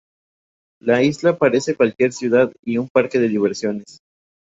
La Isla parece cualquier ciudad y un parque de diversiones.